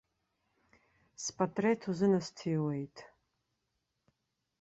Спатрет узынасҭиуеит.